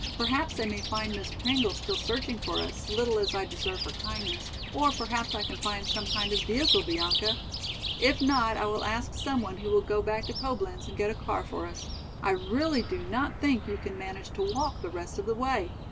Perhaps I may find Miss Pringle still searching for us, little as I deserve her kindness, or perhaps I can find some kind of vehicle, Bianca. If not I will ask some one who will go back to Coblenz and get a car for us. I really do not think you can manage to walk the rest of the way.